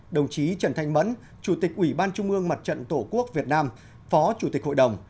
đồng chí trần thanh mẫn chủ tịch ủy ban trung ương mặt trận tổ quốc việt nam phó chủ tịch hội đồng